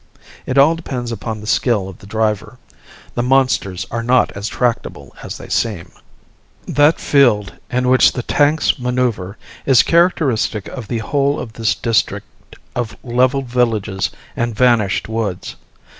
It all depends upon the skill of the driver. The monsters are not as tractable as they seem. That field in which the tanks manoeuvre is characteristic of the whole of this district of levelled villages and vanished woods.